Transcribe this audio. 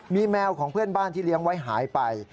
มีแมวของเพื่อนบ้านที่เลี้ยงไว้หายไป